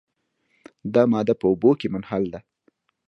دا ماده په اوبو کې منحل ده.